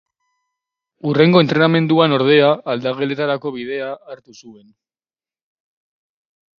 Hurrengo entrenamenduan, ordea, aldageletarako bidea hartu zuen.